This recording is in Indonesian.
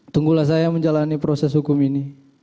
tunggulah saya menjalani proses hukum ini